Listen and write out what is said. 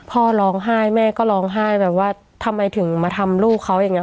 พ่อร้องไห้แม่ก็ร้องไห้แบบว่าทำไมถึงมาทำลูกเขาอย่างนี้